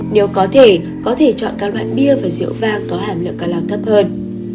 nếu có thể có thể chọn các loại bia và rượu vang có hàm lượng ca lô cấp hơn